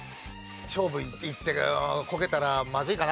勝負いってコケたらまずいかな？